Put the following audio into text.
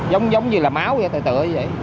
giống như là máu vậy tựa vậy